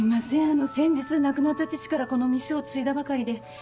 あの先日亡くなった父からこの店を継いだばかりで。